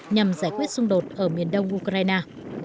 nhằm giải quyết xung đột ở miền đông ukraine